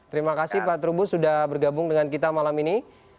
terima kasih pak trubus sudah bergabung dengan kita malam ini